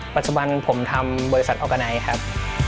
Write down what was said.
ปัจจุบันผมทำบริษัทออกกาไนครับ